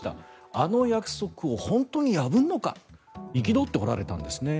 あの約束を本当に破るのか憤っておられたんですね。